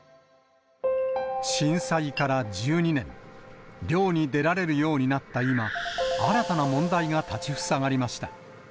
震災から１２年、漁に出られるようになった今、新たな問題が立ちふさがりました。